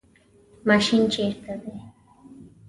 ماشین چیرته دی؟